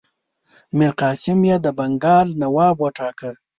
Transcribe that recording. میرقاسم یې د بنګال نواب وټاکه.